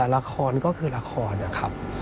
ละครก็คือละครนะครับ